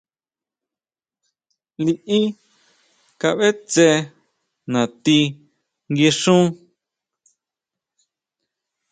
Liʼí kabʼe tse natí guixún.